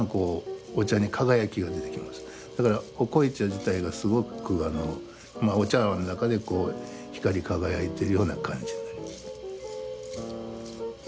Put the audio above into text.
だからお濃茶自体がすごくお茶わんの中で光り輝いてるような感じになります。